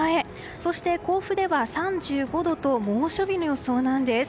そして甲府では３５度と猛暑日の予想なんです。